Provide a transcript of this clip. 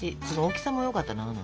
その大きさもよかったな。